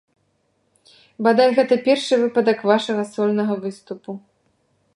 Бадай, гэта першы выпадак вашага сольнага выступу.